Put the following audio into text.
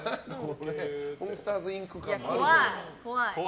「モンスターズ・インク」感もあるけど。